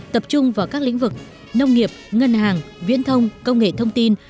tập trung vào các lĩnh vực nông nghiệp ngân hàng viễn thông công nghệ thông tin